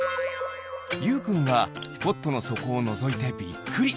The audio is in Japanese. ゆうくんがポットのそこをのぞいてびっくり。